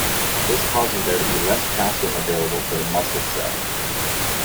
This causes there to be less calcium available for the muscle cell.